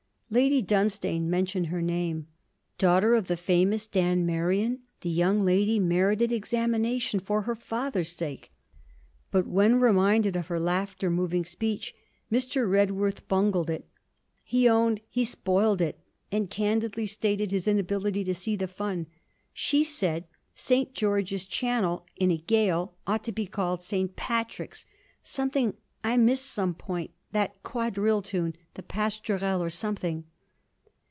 Lady Dunstane mentioned her name. Daughter of the famous Dan Merion? The young lady merited examination for her father's sake. But when reminded of her laughter moving speech, Mr. Redworth bungled it; he owned he spoilt it, and candidly stated his inability to see the fun. 'She said, St. George's Channel in a gale ought to be called St. Patrick's something I missed some point. That quadrille tune, the Pastourelle, or something...'